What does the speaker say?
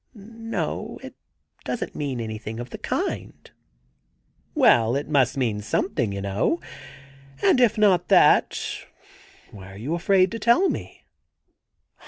'' No, it doesn't mean anything of the kind.' *Well, it must mean something, you know. And if not that, why are you afraid to tell me